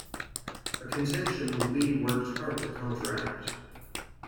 A contention Lee worked hard to counteract.